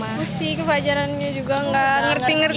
terus busi kebajarannya juga gak ngerti ngerti